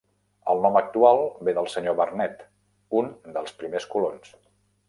El nom actual ve del senyor Barnet, un dels primers colons.